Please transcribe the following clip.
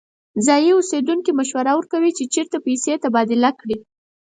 ځایی اوسیدونکی مشوره ورکوي چې چیرته پیسې تبادله کړي.